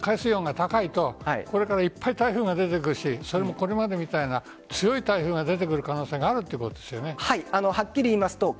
海水温が高いとこれからいっぱい台風が出てくるしこれまでみたいな強い台風が出てくる可能性があるということですよね。